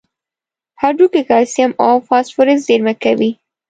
هډوکي کلسیم او فاسفورس زیرمه کوي.